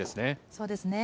そうですね。